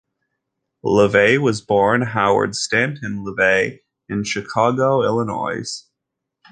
LaVey was born Howard Stanton Levey in Chicago, Illinois.